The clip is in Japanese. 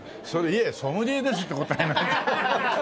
「いえソムリエです」って答えなきゃ。